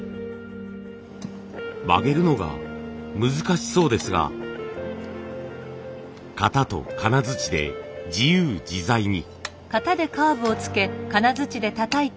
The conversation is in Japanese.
曲げるのが難しそうですが型と金づちで自由自在に。